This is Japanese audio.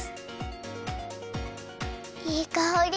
いいかおり！